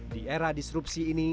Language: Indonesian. di era disrupsi ini